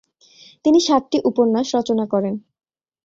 তিনি সাতটি উপন্যাস রচনা করেন।